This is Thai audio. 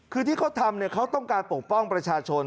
คือที่เขาทำเขาต้องการปกป้องประชาชน